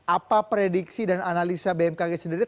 apa prediksi dan analisa bmkg sendiri